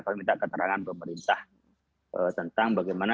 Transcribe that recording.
kami minta keterangan pemerintah tentang bagaimana